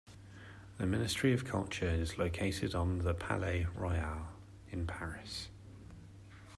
The Ministry of Culture is located on the Palais Royal in Paris.